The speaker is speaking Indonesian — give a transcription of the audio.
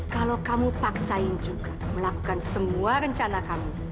kalau kamu paksain juga melakukan semua rencana kamu